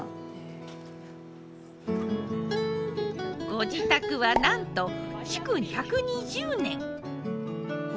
ご自宅はなんと築１２０年。